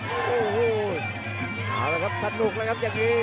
โอ้โหเอาละครับสนุกแล้วครับอย่างนี้